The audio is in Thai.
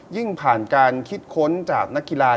ผ่านการคิดค้นจากนักกีฬา